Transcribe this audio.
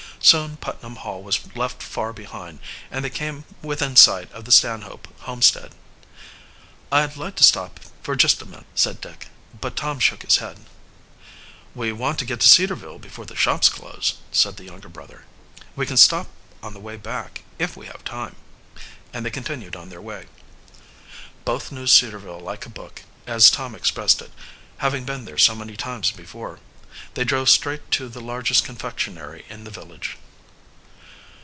Soon Putnam Hall was left far behind, and they came within sight of the Stanhope homestead. "I'd like to stop for just a minute," said Dick, but Tom shook his head. "We want to get to Cedarville before the shops close," said the younger brother. "We can stop on the way back if we have time," and they continued on their way. Both knew Cedarville "like a book," as Tom expressed it, having been there so many times before. They drove straight to the largest confectionery in the village.